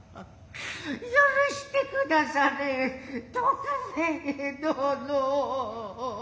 赦して下され徳兵衛殿。